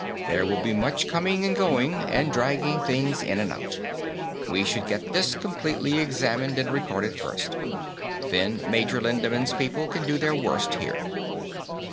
"There will be much coming and going, and dragging things in and out. We should get this completely examined and recorded first. Then Major Lindemann's people can do their worst, here."